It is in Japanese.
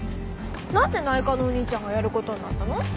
何で内科のお兄ちゃんがやることになったの？